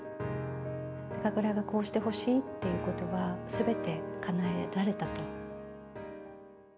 高倉がこうしてほしいということは、すべてかなえられたと。